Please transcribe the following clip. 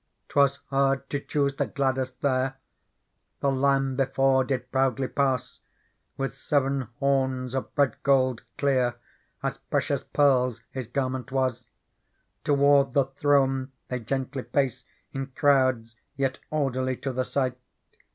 *Twas hard to choose the gladdest there : The Lamb before did proiidly^ pass With se v en ho r ns of red gold clear ; As precious pearls his garment was. . Toward the throne they gentlyj^)ace. In crowds, yet orderly to the sight.